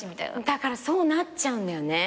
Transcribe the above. だからそうなっちゃうんだよね。